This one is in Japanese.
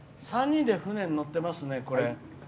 ３人で船に乗ってますね。